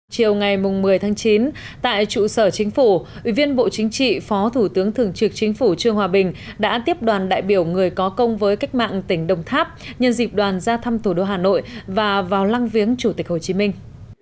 chiều ngày một mươi tháng chín tại trụ sở chính phủ ủy viên bộ chính trị phó thủ tướng thường trực chính phủ trương hòa bình đã tiếp đoàn đại biểu người có công với cách mạng tỉnh đồng tháp nhân dịp đoàn ra thăm thủ đô hà nội và vào lăng viếng chủ tịch hồ chí minh